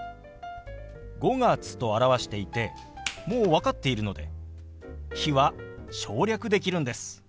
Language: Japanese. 「５月」と表していてもう分かっているので「日」は省略できるんです。